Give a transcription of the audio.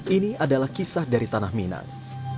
ini adalah kisah dari tanah minang